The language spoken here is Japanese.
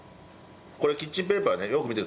これキッチンペーパーねよく見てください。